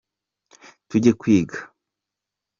Tujye kwiga.